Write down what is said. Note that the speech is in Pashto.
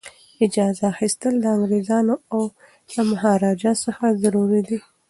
اجازه اخیستل د انګریزانو او مهاراجا څخه ضروري دي.